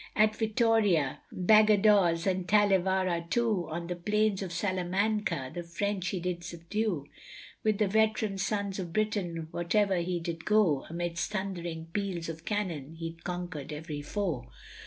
At Vittoria, Badagoz, and Talevara too, On the plains of Salamanca, the French he did subdue, With the veteran sons of Britain wherever he did go, Amidst thundering peals of cannon he conquer'd every foe.